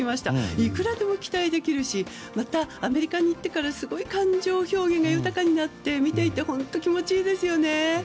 いくらでも期待できるしアメリカに行ってから感情表現が豊かになって見ていて気持ちいいですね。